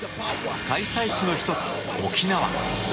開催地の１つ、沖縄。